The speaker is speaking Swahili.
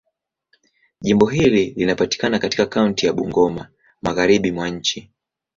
Jimbo hili linapatikana katika kaunti ya Bungoma, Magharibi mwa nchi.